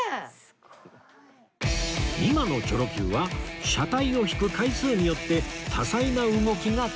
今のチョロ Ｑ は車体を引く回数によって多彩な動きが可能に！